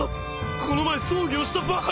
この前葬儀をしたばかり。